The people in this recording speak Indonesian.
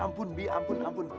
ya ampun bi ampun ampun